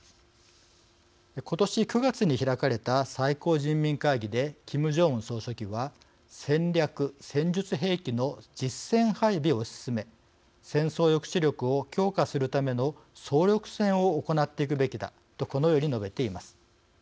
今年９月に開かれた最高人民会議でキム・ジョンウン総書記は「戦略・戦術兵器の実戦配備を推し進め戦争抑止力を強化するための総力戦を行っていくべきだ」とこのように述べています。